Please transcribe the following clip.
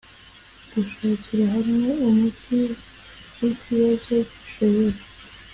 Gushakira hamwe umuti w ibibazo bishobora